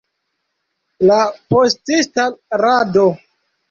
La potista rado.